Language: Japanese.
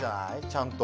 ちゃんと。